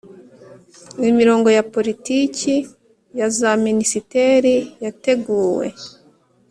imirongo ya politiki ya za minisiteri yateguwe